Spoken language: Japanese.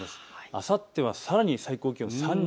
あさってはさらに最高気温３４度。